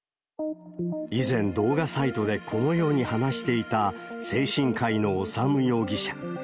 以前、動画サイトでこのように話していた精神科医の修容疑者。